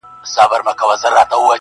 چي په هیڅ نه پوهیږي